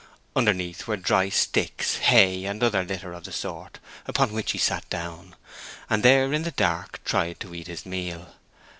Underneath were dry sticks, hay, and other litter of the sort, upon which he sat down; and there in the dark tried to eat his meal.